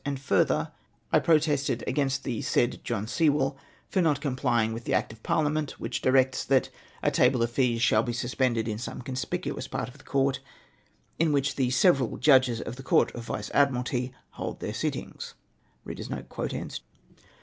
And further, I protested against the said John Sewell, for not complying mth the Act of Parliament, which directs that ' a table of fees shall be suspended in some conspicuous part of the Court, in which the several judges of the Court of Vice Admiralty hold their sittings.'